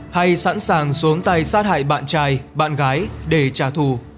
hay sẵn sàng xuống tay sát hại bạn trai bạn gái để trả thù